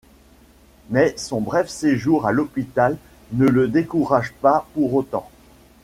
Mais son bref séjour à l'hôpital ne le décourage pas pour autant.